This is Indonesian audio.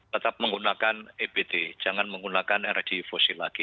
tetap menggunakan ebt jangan menggunakan energi fosil lagi